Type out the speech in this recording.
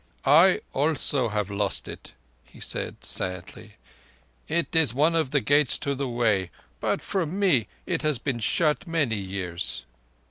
"I also have lost it," he said sadly. "It is one of the Gates to the Way, but for me it has been shut many years."